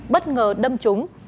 bất ngờ đâm trúng